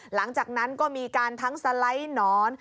หลังจากนั้นก็มีการทั้งสไลด์หนอน